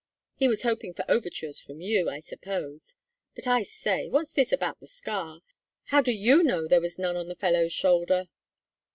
He was hoping for overtures from you, I suppose. But I say, what's this about the scar? How do you know there was none on the fellow's shoulder?"